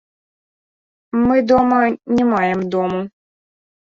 Мы дома не маем дому.